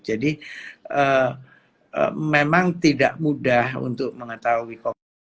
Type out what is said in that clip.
jadi memang tidak mudah untuk mengetahui